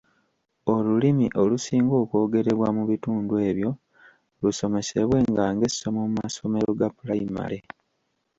Olulimi olusinga okwogerebwa mu bitundu ebyo lusomesebwenga ng'essomo mu masomero ga pulayimale.